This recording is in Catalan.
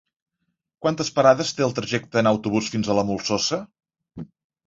Quantes parades té el trajecte en autobús fins a la Molsosa?